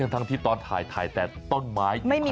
ทั้งที่ตอนถ่ายถ่ายแต่ต้นไม้ยุคาลิปตั